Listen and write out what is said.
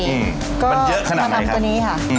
มันเยอะขนาดมันทำตัวนี้ค่ะ